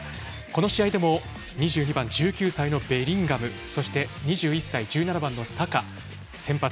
この試合でも２２番、１９歳のベリンガムそして２１歳１７番のサカが先発。